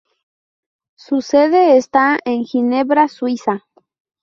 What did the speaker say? Su sede esta en Ginebra, Suiza.